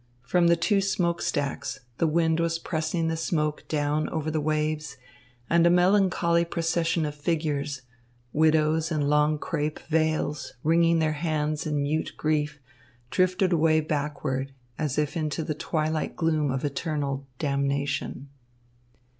From the two smoke stacks the wind was pressing the smoke down over the waves, and a melancholy procession of figures, widows in long crêpe veils, wringing their hands in mute grief, drifted away backward, as if into the twilight gloom of eternal damnation.